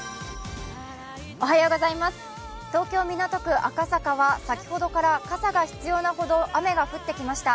東京・港区赤坂は先ほどから傘が必要なほど雨が降ってきました。